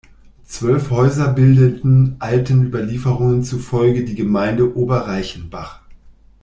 Zwölf Häuser bildeten alten Überlieferungen zufolge die Gemeinde Oberreichenbach.